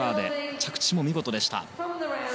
着地も見事でした。